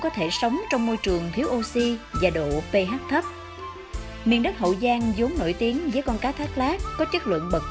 cá thác lát